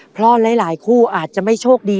เพราะหลายคู่อาจจะไม่โชคดี